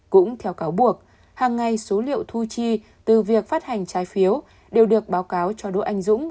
cũng theo cáo buộc hàng ngày số liệu thu chi từ việc phát hành trái phiếu đều được báo cáo cho đỗ anh dũng